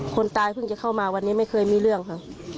คนตายเพิ่งจะเข้ามาวันนี้ไม่เคยมีเรื่องค่ะ